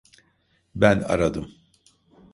Ben aradım.